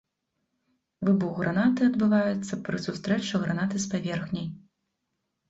Выбух гранаты адбываецца пры сустрэчы гранаты с паверхняй.